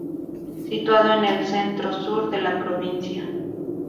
Situado en en el centro-sur de la provincia.